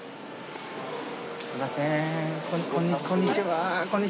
すいません